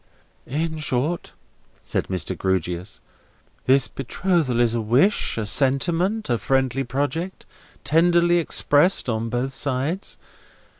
"In short," said Mr. Grewgious, "this betrothal is a wish, a sentiment, a friendly project, tenderly expressed on both sides.